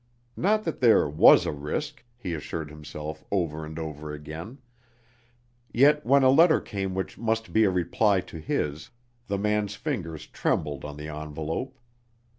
Not that there was a risk, he assured himself over and over again; yet when a letter came which must be a reply to his, the man's fingers trembled on the envelope.